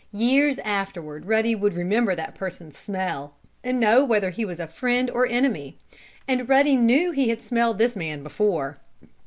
Years afterward Ruddy would remember that person's smell, and know whether he was a friend or enemy. And Ruddy knew he had smelled this man before.